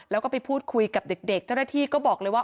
แล้วก็ไปพูดคุยกับเด็กเจ้าหน้าที่ก็บอกเลยว่า